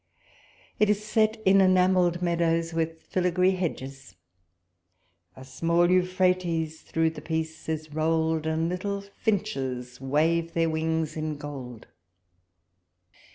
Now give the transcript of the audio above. It is set in enamelled meadows, with filigree hedges: A small Euphrates through the piece is roU'd, And little finches wave their wings in gold.